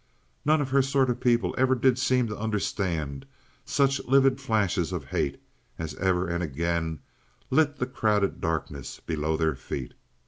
None of her sort of people ever did seem to understand such livid flashes of hate, as ever and again lit the crowded darkness below their feet.